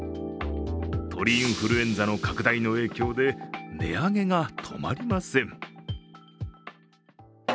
鳥インフルエンザの拡大の影響で値上げが止まりません。